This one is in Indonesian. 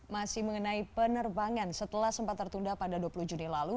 masih mengenai penerbangan setelah sempat tertunda pada dua puluh juni lalu